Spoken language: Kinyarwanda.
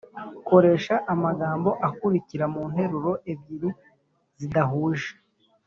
koresha amagambo akurikira mu nteruro ebyiri zidahuje